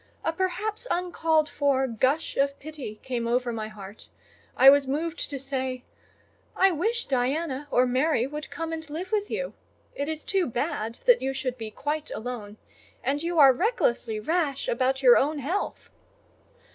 A perhaps uncalled for gush of pity came over my heart: I was moved to say— "I wish Diana or Mary would come and live with you: it is too bad that you should be quite alone; and you are recklessly rash about your own health."